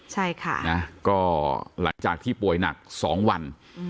หลังจากที่ป่วยหนัก๒วัน